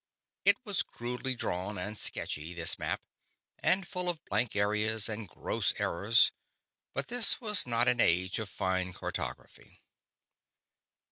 It was crudely drawn and sketchy, this map, and full of blank areas and gross errors; but this was not an age of fine cartography.